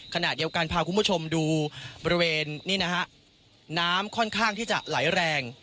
ขณะเดียวกันพาคุณผู้ชมดูบริเวณนี่นะฮะน้ำค่อนข้างที่จะไหลแรง